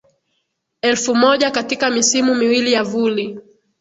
elfu moja katika misimu miwili ya vuli